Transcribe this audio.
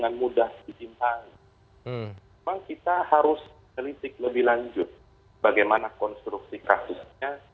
kalau kita bikin cemburu maka kita hanya memberi kesempatan dan contohnya itu adalah keringinan captain car